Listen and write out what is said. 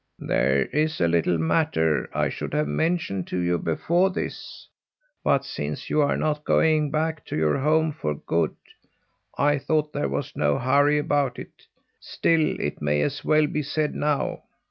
"There's a little matter I should have mentioned to you before this, but since you are not going back to your home for good, I thought there was no hurry about it. Still it may as well be said now."